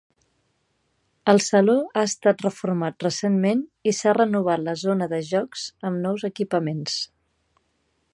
El saló ha estat reformat recentment i s'ha renovat la zona de jocs amb nous equipaments.